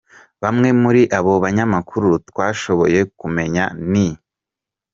Bamwe muri abo banyamakuru twashoboye kumenya ni: